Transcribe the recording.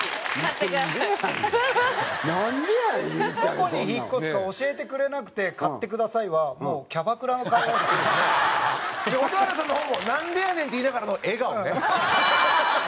どこに引っ越すか教えてくれなくて「買ってください」はもう蛍原さんの方も「なんでやねん」って言いながらの笑顔ね。